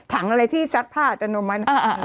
ถังอะไรที่ซักผ้าจะนมมา